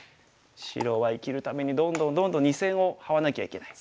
白は生きるためにどんどんどんどん２線をハワなきゃいけない。